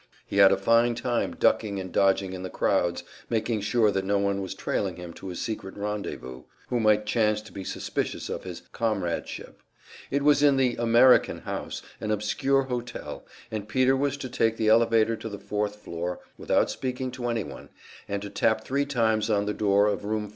He had a fine time ducking and dodging in the crowds, making sure that no one was trailing him to his secret rendezvous no "Red" who might chance to be suspicious of his "comradeship." It was in the "American House," an obscure hotel, and Peter was to take the elevator to the fourth floor, without speaking to any one, and to tap three times on the door of Room 427.